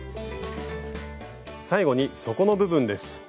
最後に底の部分です。